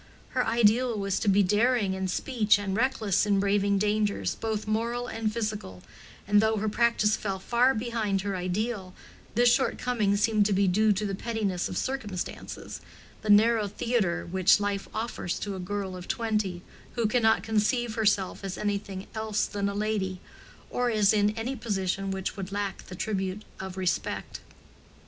Her ideal was to be daring in speech and reckless in braving dangers, both moral and physical; and though her practice fell far behind her ideal, this shortcoming seemed to be due to the pettiness of circumstances, the narrow theatre which life offers to a girl of twenty, who cannot conceive herself as anything else than a lady, or as in any position which would lack the tribute of respect.